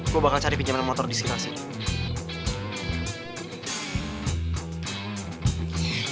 gue bakal cari pinjaman motor di sekitar sini